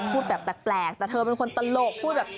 พูดแบบแปลกแต่เธอเป็นคนตลกพูดแบบ